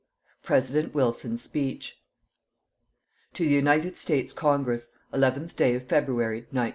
PRESIDENT WILSON'S SPEECH TO THE UNITED STATES CONGRESS 11TH DAY OF FEBRUARY, 1918.